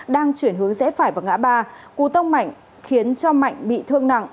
đang chuyển hướng rẽ phải vào ngã ba cú tông mạnh khiến cho mạnh bị thương nặng